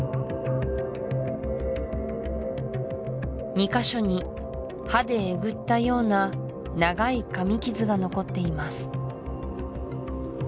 ２カ所に歯でえぐったような長い噛み傷が残っています